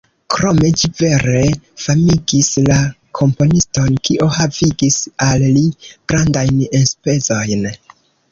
Krome ĝi vere famigis la komponiston, kio havigis al li grandajn enspezojn.